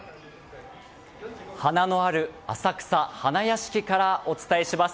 花のある浅草花やしきからお伝えします。